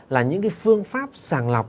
là những phương pháp sàng lọc